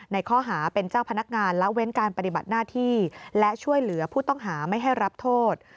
ในข้อหาเป็นเจ้าพนักงานละเว้นการปฏิบัติหน้าที่และช่วยเหลือผู้ต้องหาไม่ให้รับโทษ